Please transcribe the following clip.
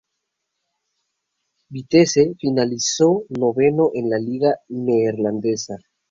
Vitesse finalizó noveno en la liga neerlandesa.